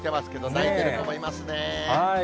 泣いてる子もいますね。